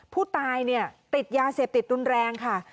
ผู้ตายติดยาเสพติดต้นแรงค่ะ